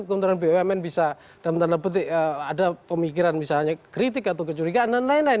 kementerian bumn bisa dalam tanda petik ada pemikiran misalnya kritik atau kecurigaan dan lain lain